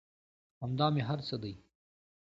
همدا مې هر څه دى.